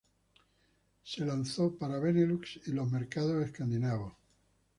Se lanzó para BeNeLux y los mercados escandinavos.